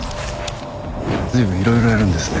随分いろいろやるんですね